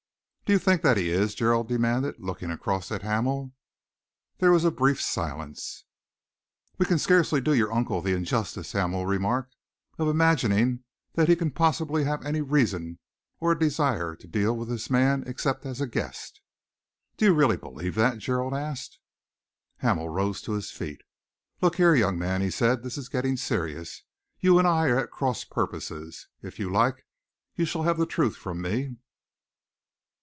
"Do you think that he is?" Gerald demanded, looking across at Hamel. There was a brief silence. "We can scarcely do your uncle the injustice," Hamel remarked, "of imagining that he can possibly have any reason or any desire to deal with that man except as a guest." "Do you really believe that?" Gerald asked. Hamel rose to his feet. "Look here, young man," he said, "this is getting serious. You and I are at cross purposes. If you like, you shall have the truth from me."